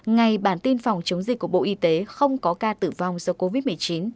ngày bản tin phòng chống dịch của bộ y tế không có ca tử vong do covid một mươi chín